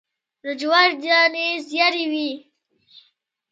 د جوارو دانی ژیړې وي